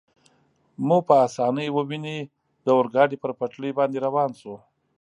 مو په اسانۍ وویني، د اورګاډي پر پټلۍ باندې روان شو.